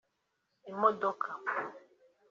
imodoka